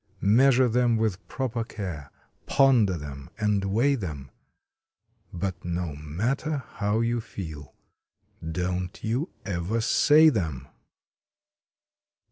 Measure them with proper care, ponder them and weigh em. But no matter how you feel, don t you ever say em!